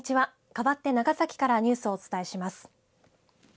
かわって長崎からニュースをお伝えします。